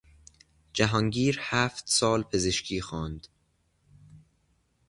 جهانگیر هفت سال پزشکی خواند.